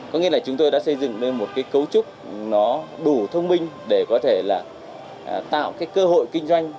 có nghĩa là chúng tôi đã xây dựng nên một cấu trúc đủ thông minh để có thể tạo cơ hội kinh doanh